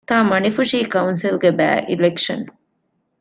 ތ.މަޑިފުށީ ކައުންސިލްގެ ބައި-އިލެކްޝަން